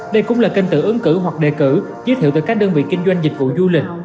đây cũng là kênh tự ứng cử hoặc đề cử giới thiệu từ các đơn vị kinh doanh dịch vụ du lịch